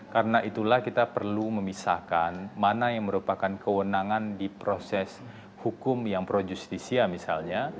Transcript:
karena itulah kita perlu memisahkan mana yang merupakan kewenangan di proses hukum yang pro justisia misalnya